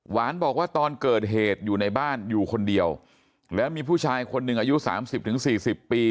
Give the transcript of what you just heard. หวานบอกว่าตอนเกิดเหตุอยู่ในบ้านอยู่คนเดียวแล้วมีผู้ชายคนหนึ่งอายุ๓๐๔๐ปี